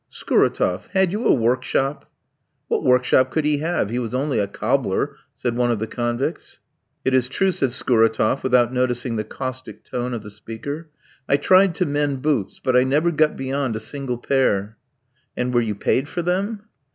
"Scuratoff, had you a workshop?" "What workshop could he have? He was only a cobbler," said one of the convicts. "It is true," said Scuratoff, without noticing the caustic tone of the speaker. "I tried to mend boots, but I never got beyond a single pair." "And were you paid for them?"